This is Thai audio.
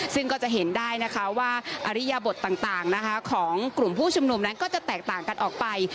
ซึ่งก็จะเห็นได้นะคะว่าอริยบทต่างของกลุ่มผู้ชุมนุมนั้นก็จะแตกต่างกันออกไป